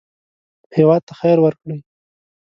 هېواد ته خیر ورکړئ